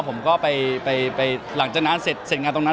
ผมก็ไปหลังจากนั้นเสร็จงานตรงนั้น